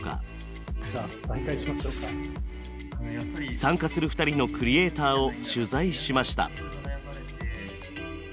参加する２人のクリエイターを取材しました。